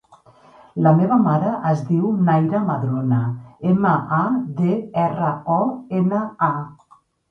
La meva mare es diu Naira Madrona: ema, a, de, erra, o, ena, a.